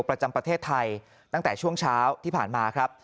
ประจำประเทศไทยตั้งแต่ช่วงเช้าที่ผ่านมาครับ